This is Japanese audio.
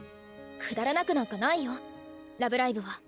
くだらなくなんかないよ「ラブライブ！」は。